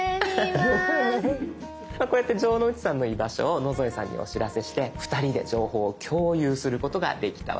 こうやって城之内さんの居場所を野添さんにお知らせして２人で情報を共有することができたわけです。